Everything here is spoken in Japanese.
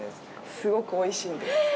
すごくおいしいんです。